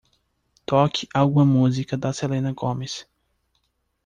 Toque alguma música da Selena Gomez.